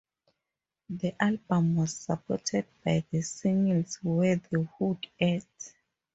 The album was supported by the singles Where the Hood At?